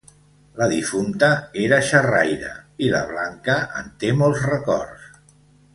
La difunta era xerraire i la Blanca en té molts records.